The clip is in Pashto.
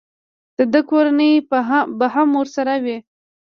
د ده کورنۍ به هم ورسره وي.